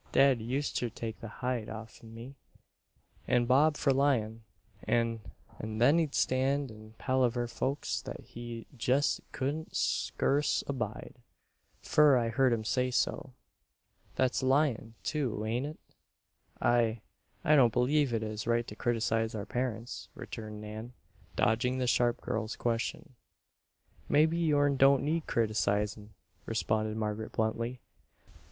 Dad useter take the hide off'n me and Bob for lyin'; an' then he'd stand an' palaver folks that he jest couldn't scurce abide, fur I heard him say so. That's lyin', too ain't it?" "I, I don't believe it is right to criticize our parents," returned Nan, dodging the sharp girl's question. "Mebbe yourn don't need criticizin'," responded Margaret, bluntly.